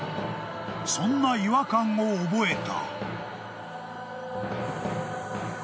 ［そんな違和感を覚えた］